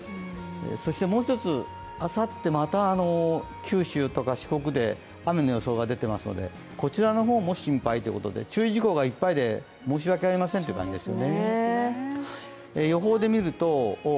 そしてあさって、また九州とか四国で雨の予想が出てますのでこちらの方も心配ということで注意事項がいっぱいで申し訳ありませんという感じです。